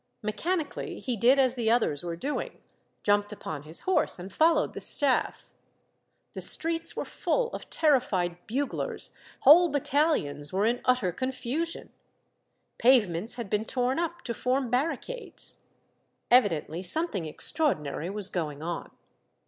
Mechanically he did as the others were doing, jumped upon his horse and followed the stafT. The streets were full of terrified buglers, whole battalions were in utter confusion. Pave 164 Monday Tales, ments had been torn up to form barricades. Evi dently something extraordinary was going on.